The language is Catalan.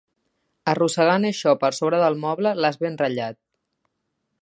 Arrossegant això per sobre del moble l'has ben ratllat.